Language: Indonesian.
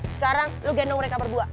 sekarang lo gendong mereka berdua